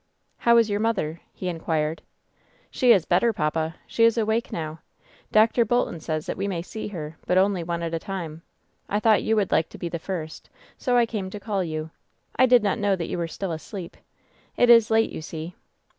"How is your mother ?" he inquired. "She is better, papa. She is awake now. Dr. Bolton says that we may see her, but only one at a time. I thought you would like to be the first, so I came to call WHEN SHADOWS DIE 849 you. I did not know that you were still asleep. It is late, you see."